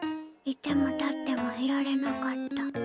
居ても立ってもいられなかった。